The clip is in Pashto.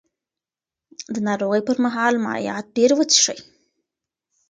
د ناروغۍ پر مهال مایعات ډېر وڅښئ.